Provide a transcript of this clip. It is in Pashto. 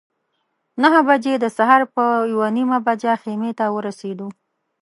نهه بجې د سهار په یوه نیمه بجه خیمې ته ورسېدو.